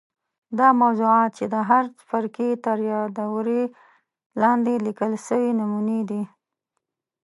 دا موضوعات چې د هر څپرکي تر یادوري لاندي لیکل سوي نمونې دي.